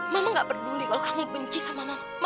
mama gak peduli kalau kamu benci sama mama